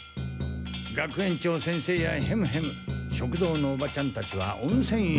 学園長先生やヘムヘム食堂のおばちゃんたちは温泉へ。